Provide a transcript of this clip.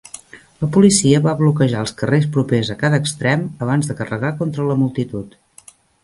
La policia va bloquejar els carrers propers a cada extrem abans de carregar contra la multitud.